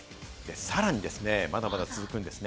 さらにまだまだ続くんです。